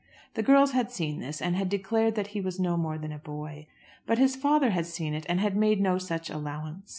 The girls had seen this, and had declared that he was no more than a boy; but his father had seen it and had made no such allowance.